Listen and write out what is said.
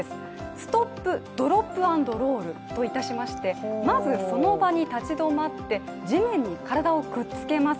ストップ・ドロップ＆ロールといたしましてまずその場に立ち止まって地面に体をくっつけます。